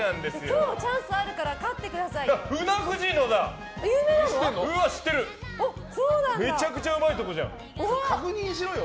今日もチャンスあるから勝ってくださいよ。